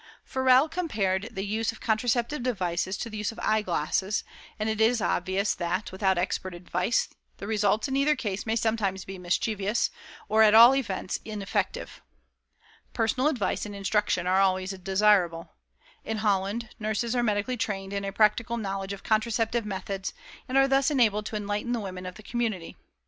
"Forel compared the use of contraceptive devices to the use of eyeglasses, and it is obvious that, without expert advice, the results in either case may sometimes be mischievous or at all events ineffective. Personal advice and instruction are always desirable. In Holland nurses are medically trained in a practical knowledge of contraceptive methods, and are thus enabled to enlighten the women of the community.